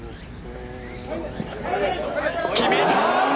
決めた！